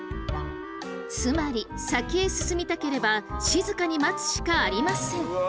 つまり先へ進みたければ静かに待つしかありません。